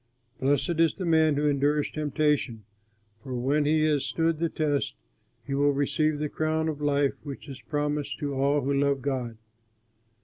Blessed is the man who endures temptation; for when he has stood the test, he will receive the crown of life which is promised to all who love God.